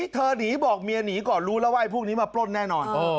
เธอนีบอกเมียนี่ก่อนรู้ระว่ายพวกนี้มาปล้นแน่นอน